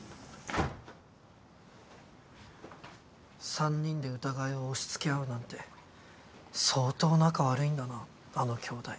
３人で疑いを押し付け合うなんて相当仲悪いんだなあの兄弟。